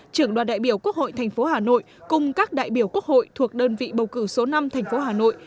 trưởng đoàn đại biểu quốc hội tp hà nội cùng các đại biểu quốc hội thuộc đơn vị bầu cử số năm thành phố hà nội